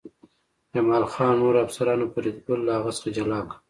جمال خان او نورو افسرانو فریدګل له هغه څخه جلا کړ